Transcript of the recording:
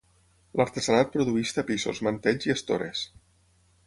L'artesanat produeix tapissos, mantells i estores.